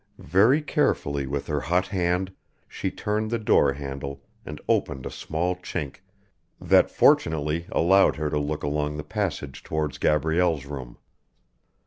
Very carefully with her hot hand she turned the door handle and opened a small chink that fortunately allowed her to look along the passage towards Gabrielle's room.